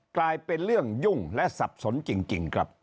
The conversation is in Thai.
กลายเป็นเรื่องยุ่งและสับสนจริงครับ